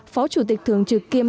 phó chủ tịch thường trực kiêm